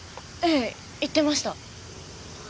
ええ言ってました。